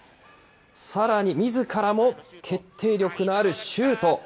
さらにみずからも決定力のあるシュート。